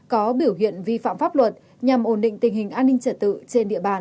có biểu hiện vi phạm pháp luật nhằm ổn định tình hình an ninh trật tự trên địa bàn